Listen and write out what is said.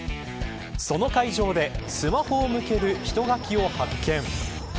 その会場でスマホを向ける人垣を発見。